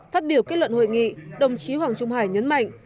phát biểu kết luận hội nghị đồng chí hoàng trung hải nhấn mạnh